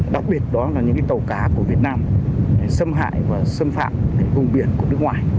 đặc biệt đó là những tàu cá của việt nam xâm hại và xâm phạm đến vùng biển của nước ngoài